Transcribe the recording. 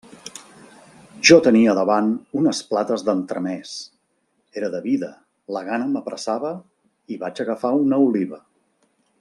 Jo tenia davant unes plates d'entremès, era de vida, la gana m'apressava, i vaig agafar una oliva.